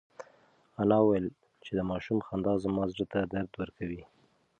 انا وویل چې د ماشوم خندا زما زړه ته درد ورکوي.